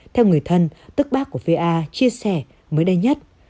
theo người thân tức bác của va chia sẻ mới đây nhất